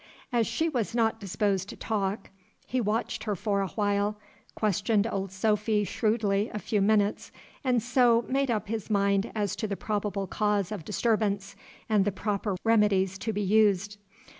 As she was not disposed to talk, he watched her for a while, questioned Old Sophy shrewdly a few minutes, and so made up his mind as to the probable cause of disturbance and the proper remedies to be used.